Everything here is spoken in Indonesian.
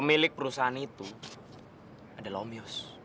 pemilik perusahaan itu adalah om yos